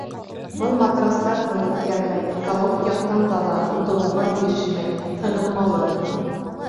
Был матрастар һыу үткәрмәй, экологик яҡтан таҙа, тутығыуға бирешмәй, һығылмалы.